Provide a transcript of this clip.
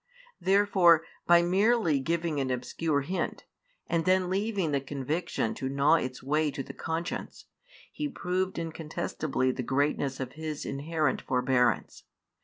Therefore, by merely giving an obscure hint, and then leaving the conviction to gnaw its way to the conscience, He proved incontestably the greatness of His inherent forbearance.